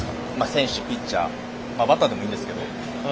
選手、ピッチャーバッターでもいいんですけど。